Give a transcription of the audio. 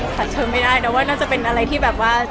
เชิงไม่ได้แต่ว่าน่าจะเป็นอะไรที่แบบว่า